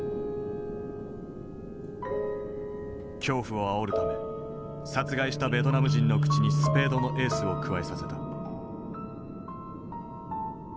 恐怖をあおるため殺害したベトナム人の口にスペードのエースをくわえさせた。